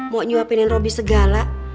mau nyuapinin robi segala